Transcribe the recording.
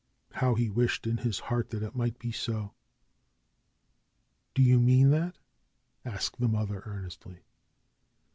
How he wished in his heart that it might be so ! '^Do you mean that?" asked the mother earnestly.